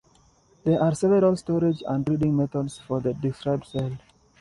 There are several storage and reading methods for the described cell.